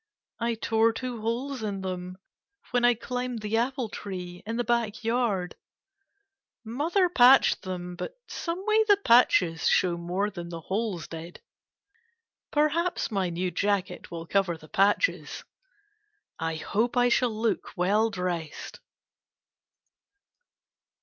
I tore two holes in them when I climbed the apple tree in the back yard. Mother patched them, but someway the patches show more than the holes did. Perhaps my new jacket will cover the patches. I hope I shall look well dressed.